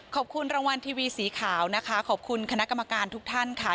ขอบคุณรางวัลทีวีสีขาวนะคะขอบคุณคณะกรรมการทุกท่านค่ะ